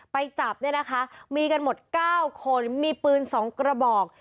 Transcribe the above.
ไปจับเนี่ยนะคะมีกันหมด๙คนมีปืน๒กระบอก